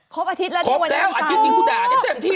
ครบอาทิตย์แล้วที่วันนี้อยู่ตามโอ้โฮโอ้โฮมีเต็มที่